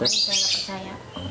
orangnya saya tidak percaya